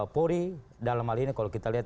polri dalam hal ini kalau kita lihat